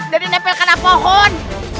dan dinepel karena pohon